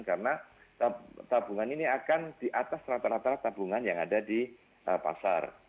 karena tabungan ini akan di atas rata rata tabungan yang ada di pasar